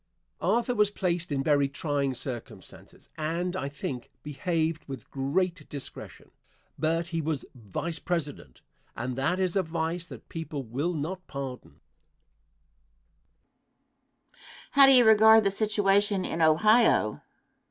Answer. Arthur was placed in very trying circumstances, and, I think, behaved with great discretion. But he was Vice President, and that is a vice that people will not pardon. Question. How do you regard the situation in Ohio?